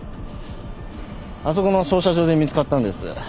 あそこの操車場で見つかったんです。